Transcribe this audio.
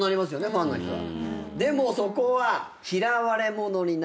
ファンの人は。